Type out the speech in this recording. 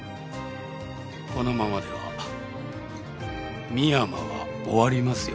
このままでは深山は終わりますよ。